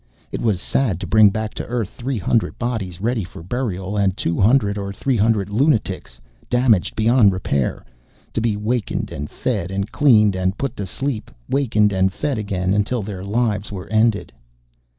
It was sad to bring back to Earth three hundred bodies ready for burial and two hundred or three hundred lunatics, damaged beyond repair, to be wakened, and fed, and cleaned, and put to sleep, wakened and fed again until their lives were ended.